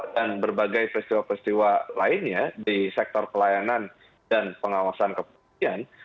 dan berbagai peristiwa peristiwa lainnya di sektor pelayanan dan pengawasan kepolisian